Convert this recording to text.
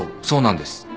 そうなんです。